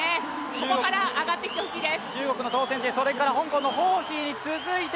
ここから上がってきてほしいです。